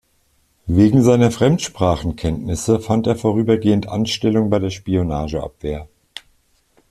Wegen seiner Fremdsprachenkenntnisse fand er vorübergehend Anstellung bei der Spionageabwehr.